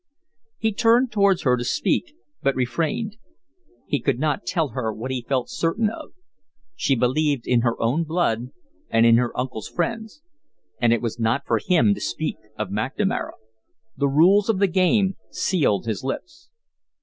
He turned towards her to speak, but refrained. He could not tell her what he felt certain of. She believed in her own blood and in her uncle's friends and it was not for him to speak of McNamara. The rules of the game sealed his lips.